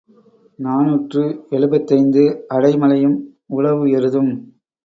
நாநூற்று எழுபத்தைந்து அடை மழையும் உழவு எருதும்.